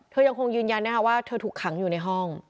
ยังคงยืนยันนะคะว่าเธอถูกขังอยู่ในห้อง